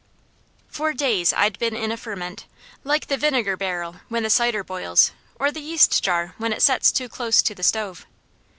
For days I'd been in a ferment, like the vinegar barrel when the cider boils, or the yeast jar when it sets too close to the stove.